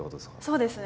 そうですね。